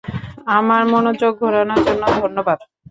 আমার মনোযোগ ঘোরানোর জন্য ধন্যবাদ।